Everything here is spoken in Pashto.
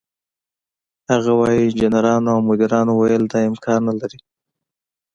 هغه وايي: "انجنیرانو او مدیرانو ویل دا امکان نه لري،